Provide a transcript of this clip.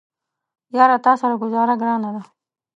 یاره تاسره ګوزاره ګرانه ده